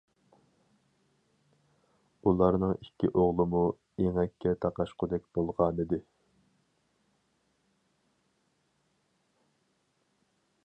ئۇلارنىڭ ئىككى ئوغلىمۇ ئېڭەككە تاقاشقۇدەك بولغانىدى.